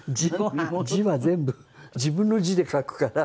字は全部自分の字で書くから。